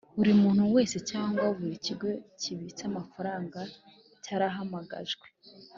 Buri muntu wese cyangwa buri kigo kibitse amafaranga cyarahamagajwe